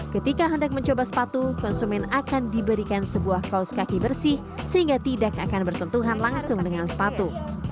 ketika hendak mencoba sepatu konsumen akan diberikan sebuah kaos kaki bersih sehingga tidak akan bersentuhan langsung dengan sepatu